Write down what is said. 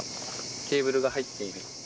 ケーブルが入って。